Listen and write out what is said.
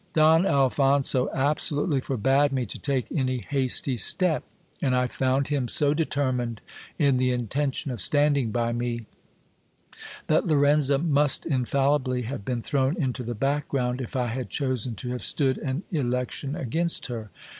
Don Alphonso absolutely forbade me to take any hasty step ; and I found him so determined in the intention of standing by me, that Lorenza must infal libly have been thrown into the background, if I had chosen to have stood an election against her.